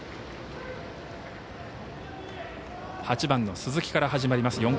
８番の鈴木から始まります